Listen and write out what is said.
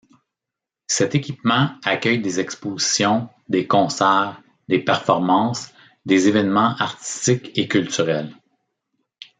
Cet équipement accueille des expositions, des concerts, des performances, des évènements artistiques et culturels.